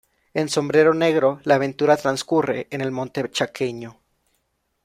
En "Sombrero negro" la aventura transcurre en el monte chaqueño.